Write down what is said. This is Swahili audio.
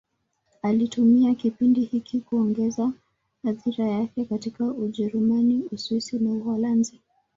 Alitumia kipindi hiki kuongeza athira yake katika Ujerumani, Uswisi na Uholanzi.